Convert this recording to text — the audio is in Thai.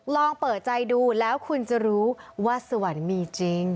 ลองเปิดใจดูแล้วคุณจะรู้ว่าสวรรค์มีจริง